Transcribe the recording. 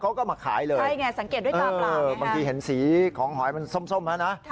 เขาก็มาขายเลยใช่ไงสังเกตด้วยตาเปล่าบางทีเห็นสีของหอยมันส้มแล้วนะ